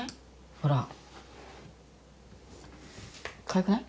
ほらかわいくない？